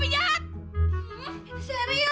tidak pakai permainan